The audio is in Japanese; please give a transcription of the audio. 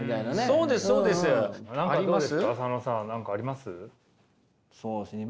そうですね